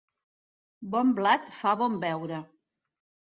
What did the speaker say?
Bon blat fa bon veure.